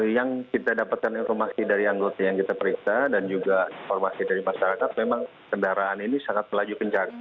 yang kita dapatkan informasi dari anggota yang kita periksa dan juga informasi dari masyarakat memang kendaraan ini sangat melaju kencang